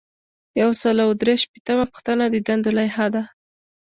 یو سل او درې شپیتمه پوښتنه د دندو لایحه ده.